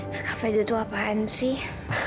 kak fadil itu apaan sih